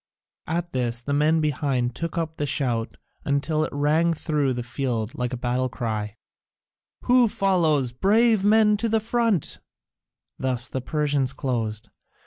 At this the men behind took up the shout till it rang through the field like a battle cry: "Who follows? Brave men to the front!" Thus the Persians closed.